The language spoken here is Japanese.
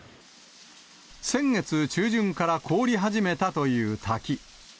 先月中旬から凍り始めたという滝。